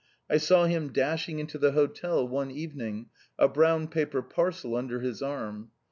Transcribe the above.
I saw him dashing into the hotel one evening, a brown paper parcel under his arm.